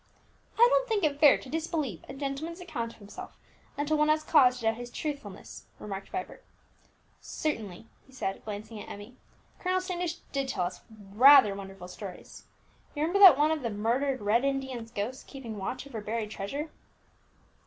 "I don't think it fair to disbelieve a gentleman's account of himself until one has cause to doubt his truthfulness," remarked Vibert. "Certainly," he added, glancing at Emmie, "Colonel Standish did tell us rather wonderful stories. You remember that one of the murdered Red Indian's ghost keeping watch over buried treasure?"